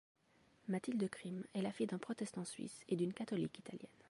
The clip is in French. Mathilde Krim est la fille d'un protestant suisse et d'une catholique italienne.